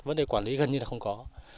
vấn đề quản lý gần như là không có